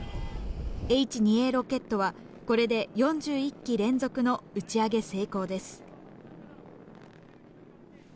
Ｈ２Ａロケットはこれで４１機連続の打ち上げ成功です。